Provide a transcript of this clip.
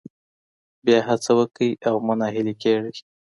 بیا هڅه وکړئ او مه نه هیلي کیږئ.